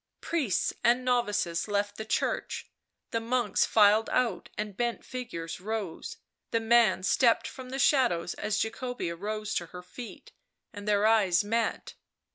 Priests and novices left the church, the monks filed out and the bent figures rose. The man stepped from the shadows as Jacobea rose to her feet, and their eyes met.